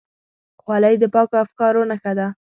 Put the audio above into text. خولۍ د پاکو افکارو نښه ده.